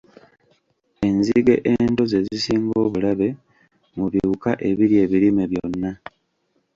Enzige ento ze zisinga obulabe mu biwuka ebirya ebirime byonna.